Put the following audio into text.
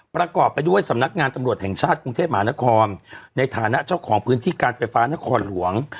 ประกอบไปด้วยสำนักงานตำรวจแห่งชาติกรุงเทพมหานครในฐานะเจ้าของพื้นที่การไฟฟ้านครหลวง